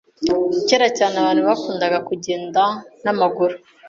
Kera cyane, abantu bakundaga kugenda n'amaguru.